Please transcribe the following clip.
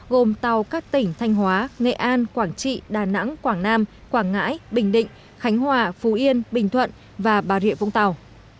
gồm tàu các tỉnh thanh hóa nghệ an quảng trị đà nẵng quảng nam quảng ngãi bình định khánh hòa phú yên bình thuận và bà rịa vũng tàu